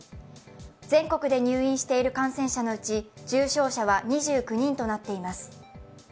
全国で入院している感染者のうち重症者は２９人となっています。